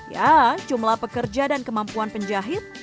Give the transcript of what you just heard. ya jumlah pekerja dan kemampuan penjahit